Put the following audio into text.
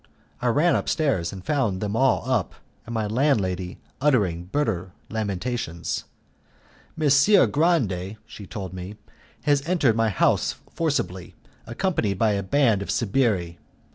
I ran upstairs, and found them all up, and my landlady uttering bitter lamentations. "Messer Grande," she told me, "has entered my house forcibly, accompanied by a band of sbirri.